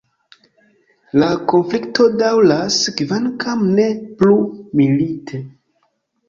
La konflikto daŭras, kvankam ne plu milite.